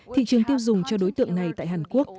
thị trường tiêu dùng cho đối tượng này tại hàn quốc